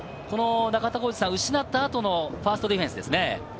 中田さん、失った後のファーストディフェンスですね。